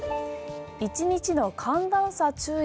１日の寒暖差、注意。